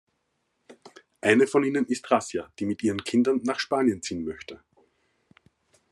Eine von ihnen ist Rasja, die mit ihren Kindern nach Spanien ziehen möchte.